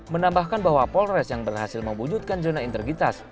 menambahkan bahwa polres yang berhasil mewujudkan zona integritas